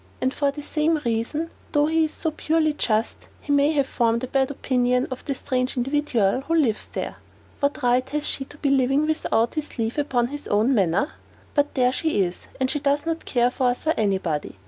And for the same reason though he is so purely just he may have formed a bad opinion of the strange individual who lives there. What right has she to be living without his leave upon his own manor? But there she is, and she does not care for us or any body.